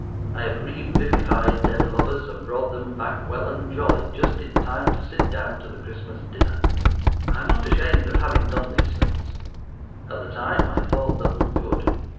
—I have revivified dead lovers and brought them back well and jolly, just in time to sit down to the Christmas dinner. I am not ashamed of having done these things. At the time I thought them good.